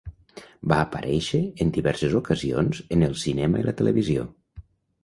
Va aparèixer en diverses ocasions en el cinema i la televisió.